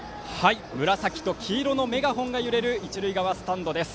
紫と黄色のメガホンが揺れる一塁側スタンドです。